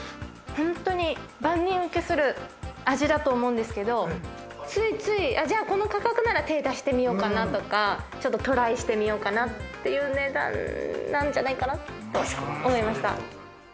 万人ウケする味だと思うんですけれど、この価格なら手を出してみようかなとかトライしてみようかなという値段なんじゃないかなと思いました。